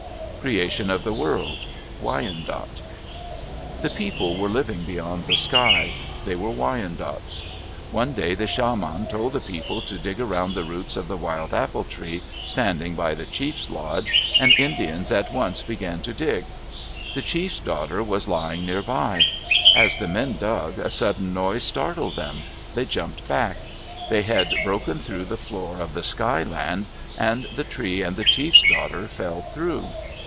CREATION OF THE WORLD Wyandot The people were living beyond the sky. They were Wyandots. One day the shaman told the people to dig around the roots of the wild apple tree standing by the chief's lodge and Indians at once began to dig. The chief's daughter was lying near by. As the men dug, a sudden noise startled them. They jumped back. They had broken through the floor of the Sky Land, and the tree and the chief's daughter fell through.